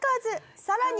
「さらに」